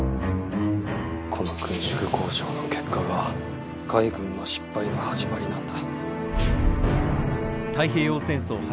この軍縮交渉の結果が海軍の失敗の始まりなんだ。